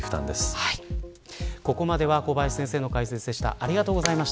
ここまで小林先生の解説でした。